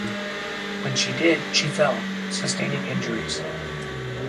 When she did, she fell, sustaining injuries.